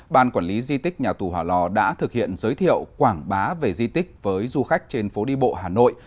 ban quản lý di tích nhà tù hòa lò đã thực hiện giới thiệu quảng bá về di tích với du khách trên phố đi bộ hà nội